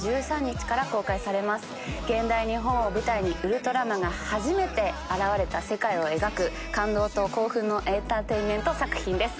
現代日本を舞台にウルトラマンが初めて現れた世界を描く感動と興奮のエンターテインメント作品です。